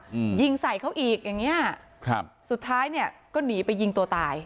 อืมยิงใส่เขาอีกอย่างเงี้ยครับสุดท้ายเนี้ยก็หนีไปยิงตัวตาย